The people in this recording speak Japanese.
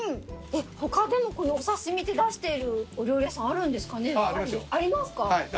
他でもこのお刺し身って出してるお料理屋さんあるんですかね？ありますよ。